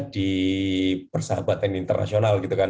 di persahabatan internasional